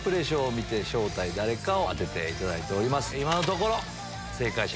今のところ。